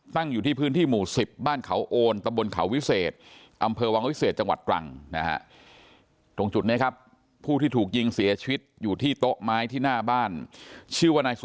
ตั้งอยู่ที่พื้นที่หมู่๑๐บ้านเขาโอนตะบลเขาวิเศษ